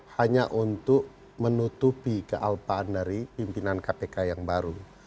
hanya untuk menutupi kealpaan dari pimpinan kpk yang baru